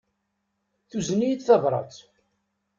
Tuzen-iyi-d tabrat.